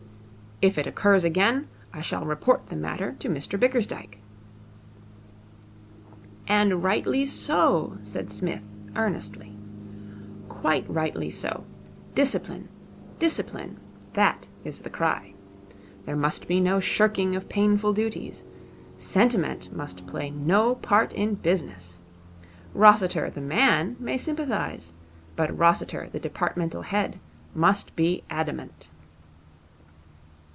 'If it occurs again, I shall report the matter to Mr Bickersdyke.' 'And rightly so,' said Psmith, earnestly. 'Quite rightly so. Discipline, discipline. That is the cry. There must be no shirking of painful duties. Sentiment must play no part in business. Rossiter, the man, may sympathise, but Rossiter, the Departmental head, must be adamant.'